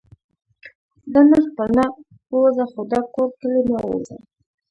دا نرخ په نه. ووځه خو دا کور کلي مه ووځه